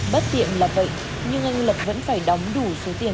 bất tiện là vậy nhưng anh lập vẫn phải đóng đủ số tiền